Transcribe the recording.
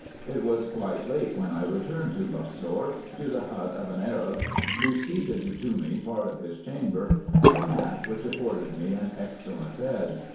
It was quite late when I returned to Luxor, to the hut of an Arab, who ceded to me part of his chamber, and a mat, which afforded me an excel lent bed.